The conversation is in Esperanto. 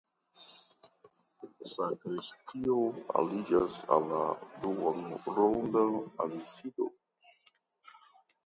Sakristio aliĝas al la duonronda absido.